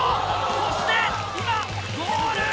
そして今ゴール！